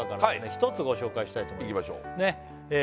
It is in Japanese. １つご紹介したいと思いますいきましょう